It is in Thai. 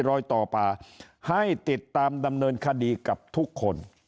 รอยต่อป่าให้ติดตามดำเนินคดีกับทุกคน